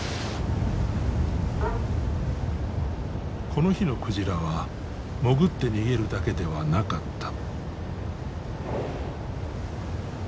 この日の鯨は潜って逃げるだけではなかった。